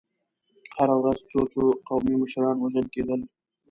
هره ورځ څو څو قومي مشران وژل کېدل.